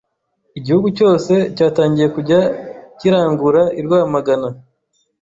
igihugu cyose cyatangiye kujya kirangura i Rwamagana.